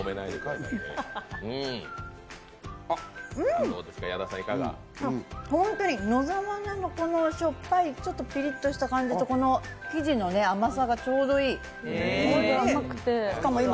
あっ、本当に野沢菜のちょっとしょっぱいピリッとした感じとこの生地の甘さがちょうどいいおいしい。